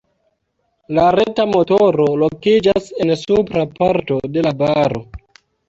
La reta motoro lokiĝas en supra parto de la baro.